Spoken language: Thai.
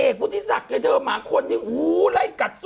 เอกพุทิศักดิ์แท่เตอร์หมาโคนนิ่งโอ้โหไร่กัด